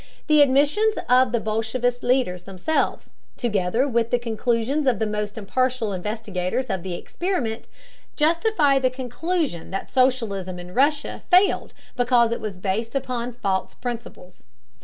The admissions of the bolshevist leaders themselves, together with the conclusions of the most impartial investigators of the experiment, justify the conclusion that socialism in Russia failed because it was based upon false principles.